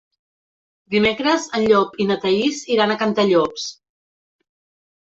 Dimecres en Llop i na Thaís iran a Cantallops.